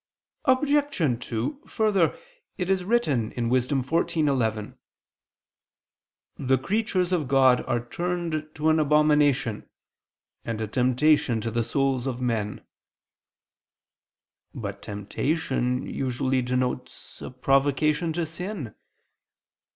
Obj. 2: Further, it is written (Wis. 14:11): "The creatures of God are turned to an abomination; and a temptation to the souls of men." But a temptation usually denotes a provocation to sin.